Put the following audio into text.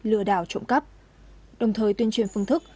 lừa đảo trộm cắp đồng thời tuyên truyền phương thức